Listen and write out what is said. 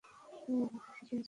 তুমিই আমাকে শিখিয়েছ।